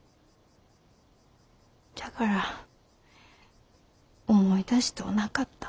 じゃから思い出しとうなかった。